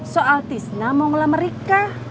soal tisna mau ngelamar rika